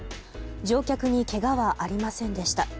乗客にけがはありませんでした。